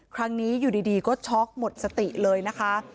ครั้งนี้อยู่ดีก็ช็อกหมดสติเลยนะคะ